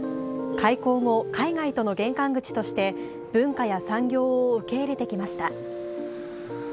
開港後、海外との玄関口として文化や産業を受け入れてきました。